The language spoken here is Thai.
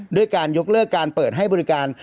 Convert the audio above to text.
ด้วยการยกเลิกการเปิดให้บริการ